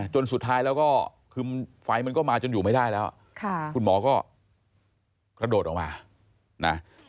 จนสุดท้ายแล้วก็คือไฟมันก็มาจนอยู่ไม่ได้แล้วคุณหมอก็กระโดดออกมานะ